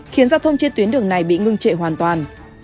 khiến giao thông trên tuyến đường này bị ngưng trệ hoàn toàn